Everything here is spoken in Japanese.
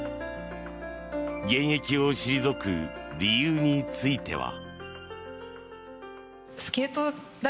現役を退く理由については。